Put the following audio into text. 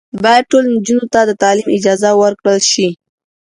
باید ټولو نجونو ته د تعلیم اجازه ورکړل شي.